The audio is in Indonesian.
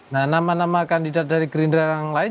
nah nama nama kandidat dari gerindra yang lain